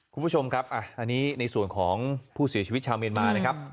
คุณผู้ชมครับอันนี้ในส่วนของผู้เสียชีวิตชาวเมียนมานะครับ